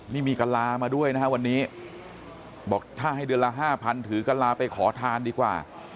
นี่มีกะลามาด้วยนะฮะวันนี้บอกถ้าให้เดือนละ๕๐๐ถือกะลาไปขอทานดีกว่า